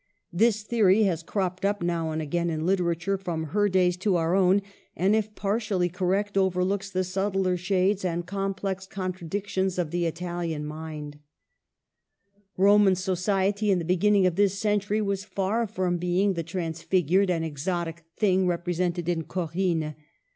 This theory has cropped up now and again in literature from her days to our own, and if partially correct, overlooks the subtler shades and complex con tradictions of the Italian mind* Roman society in the beginning of this century was far from being the transfigured and exotic thing represented in Corinne.